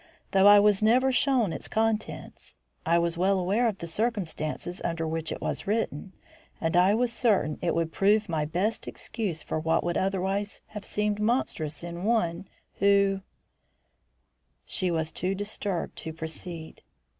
Though I was never shown its contents, I was well aware of the circumstances under which it was written and and I was certain it would prove my best excuse for what would otherwise have seemed monstrous in one who " She was too disturbed to proceed.